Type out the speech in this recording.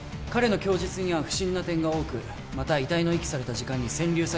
彼の供述には不審な点が多くまた遺体の遺棄された時間に千流